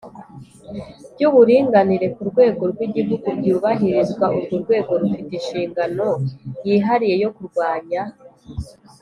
by uburinganire ku rwego rw igihugu byubahirizwa Urwo rwego rufite inshingano yihariye yo kurwanya